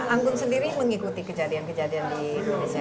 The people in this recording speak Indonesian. anggun sendiri mengikuti kejadian kejadian di indonesia